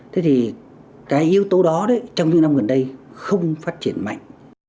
thế thì cái yếu tố đó trong những năm gần đây không phát triển mạnh